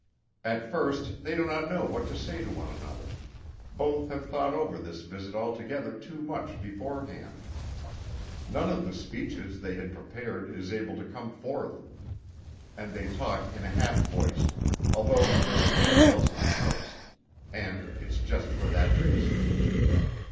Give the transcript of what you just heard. At first they do not know what to say to one another: both have thought over this visit altogether too much beforehand; none of the speeches they had prepared is able to come forth; and they talk in a halfvoice, although there is nobody else in the house and it's just for that reason.